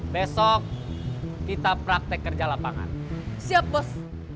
besok kita praktek kerja lapangan siap bos